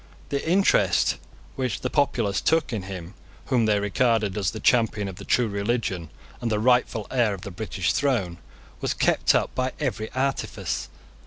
The interest which the populace took in him whom they regarded as the champion of the true religion, and the rightful heir of the British throne, was kept up by every artifice.